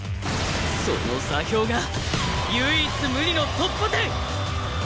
その座標が唯一無二の突破点！